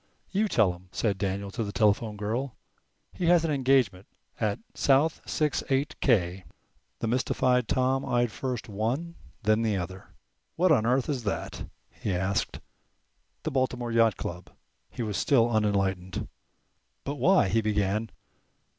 "You tell him," said Daniel to the telephone girl. "He has an engagement at South six eight k." The mystified Tom eyed first one, then the other. "What on earth is that?" he asked. "The Baltimore Yacht Club." He was still unenlightened. "But why" he began.